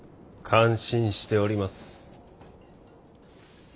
感心しております。